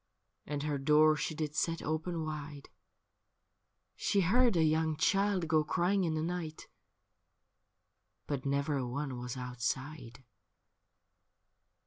And her door she did set open wide : She heard a young child go crying in the night, But never a one was outside.